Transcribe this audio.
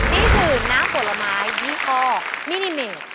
นี่คือน้ำผลไม้ยี่ห้อมินิเมต